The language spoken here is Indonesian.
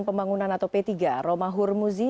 pembangunan atau p tiga roma hurmuzi